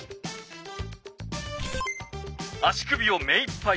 足首をめいっぱい